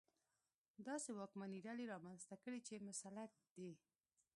داسې واکمنې ډلې رامنځته کړي چې مسلط دي.